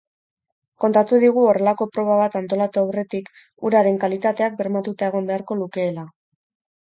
Kontatu digu horrelako proba bat antolatu aurretik uraren kalitateak bermatuta egon beharko lukeela.